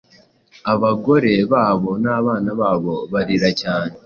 Abagore babo nabana babo, barira cyane,